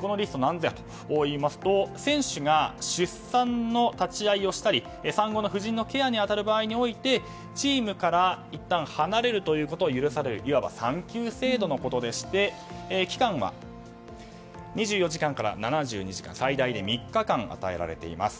このリストはなんぞやといいますと選手が出産の立ち合いをしたり産後の夫人のケアに当たる場合においてチームからいったん離れるということを許されるいわば産休制度のことでして期間は２４時間から７２時間最大で３日間与えられています。